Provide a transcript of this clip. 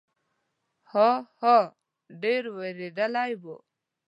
ها، ها، ها، ډېر وېرېدلی و.